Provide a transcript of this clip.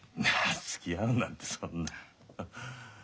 つきあうなんてそんな。